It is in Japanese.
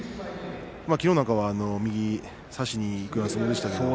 きのうは右を差しにいくような相撲でした。